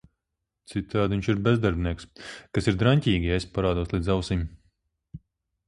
Citādi viņš ir bezdarbnieks - kas ir draņķīgi, ja esi parādos līdz ausīm…